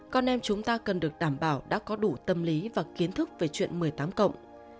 con em chúng ta cần được đảm bảo đã có đủ tâm lý và kiến thức về chuyện một mươi tám cộng